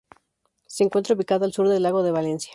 Se encuentra ubicada al sur del Lago de Valencia.